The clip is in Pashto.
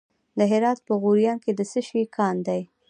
د هرات په غوریان کې د څه شي کان دی؟